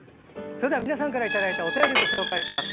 それでは皆さんからいただいたお便りをご紹介します。